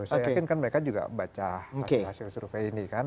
saya yakin kan mereka juga baca hasil hasil survei ini kan